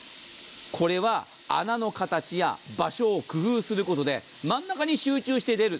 これは、穴の形や場所を工夫することで真ん中に集中して出る。